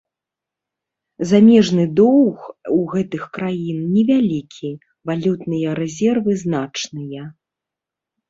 Замежны доўг у гэтых краін невялікі, валютныя рэзервы значныя.